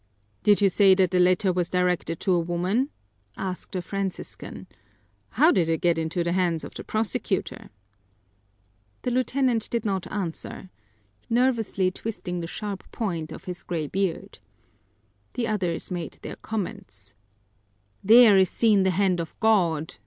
"Did you say that the letter was directed to a woman?" asked a Franciscan. "How did it get into the hands of the prosecutor?" The lieutenant did not answer. He stared for a moment at Padre Salvi and then moved away, nervously twisting the sharp point of his gray beard. The others made their comments. "There is seen the hand of God!"